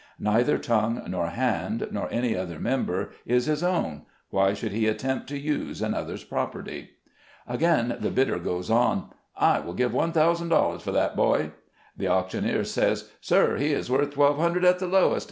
Neither tongue nor hand, nor any other member, is his own — why should he attempt to use another's property ? Again the bidder goes on : "I will give one thou sand dollars for that boy." The auctioneer says, "Sir, he is worth twelve hundred at the lowest.